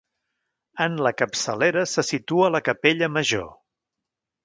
En la capçalera se situa la capella major.